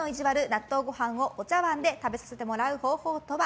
納豆ご飯をお茶わんで食べさせてもらう方法とは？